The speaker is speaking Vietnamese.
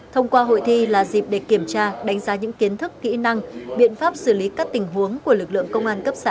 thông qua hội thi là dịp để kiểm tra đánh giá những kiến thức kỹ năng biện pháp xử lý các tình huống của lực lượng công an cấp xã